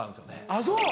あっそう！